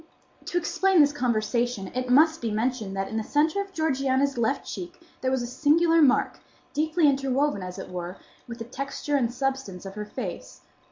To explain this conversation it must be mentioned that in the centre of Georgiana's left cheek there was a singular mark, deeply interwoven, as it were, with the texture and substance of her face.